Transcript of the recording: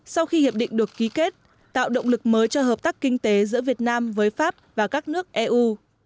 sau khi hiệp định được ký kết tạo động lực mới cho hợp tác kinh tế giữa việt nam với pháp và các nước eu